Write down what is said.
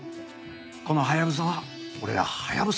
このハヤブサは俺らハヤブサ